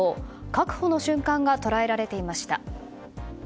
確保の瞬間が捉えられていました。